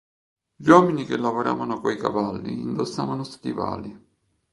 Gli uomini che lavoravano coi cavalli indossavano stivali.